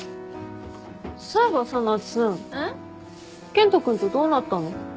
健人君とどうなったの？